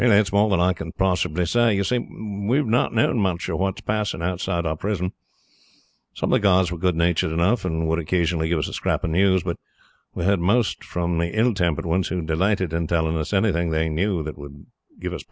"That is more than I can possibly say. You see, we have not known much of what is passing outside our prison. Some of the guards were good natured enough, and would occasionally give us a scrap of news; but we heard most from the ill tempered ones, who delighted in telling us anything they knew that would pain us.